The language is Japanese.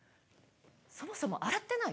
そもそも当たってない？